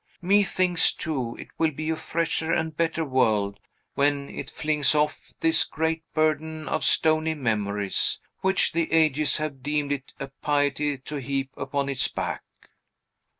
Methinks, too, it will be a fresher and better world, when it flings off this great burden of stony memories, which the ages have deemed it a piety to heap upon its back."